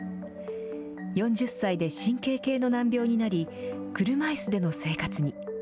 ４０歳で神経系の難病になり、車いすでの生活に。